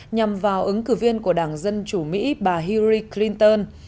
nhằm vào ứng cử viên của đảng dân chủ mỹ bà hiuri clinton